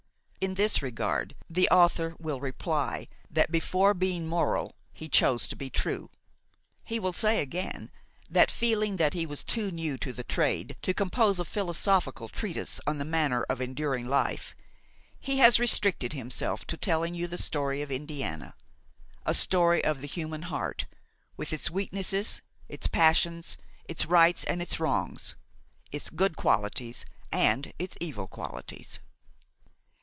In this regard, the author will reply that before being moral he chose to be true; he will say again, that, feeling that he was too new to the trade to compose a philosophical treatise on the manner of enduring life, he has restricted himself to telling you the story of Indiana, a story of the human heart, with its weaknesses, its passions, its rights and its wrongs, its good qualities and its evil qualities.